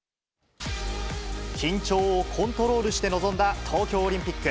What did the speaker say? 緊張をコントロールして臨んだ東京オリンピック。